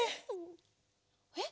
えっ！？